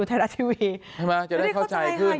ใช่ไหมจะได้เข้าใจขึ้น